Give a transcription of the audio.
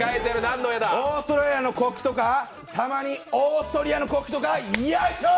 オーストラリアの国旗とかたまにオーストリアの国旗とか、よいしょー。